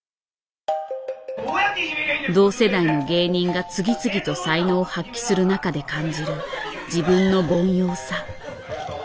同世代の芸人が次々と才能を発揮する中で感じる自分の凡庸さ。